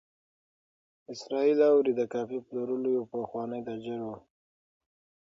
اسراییل اوري د کافي پلورلو یو پخوانی تاجر و.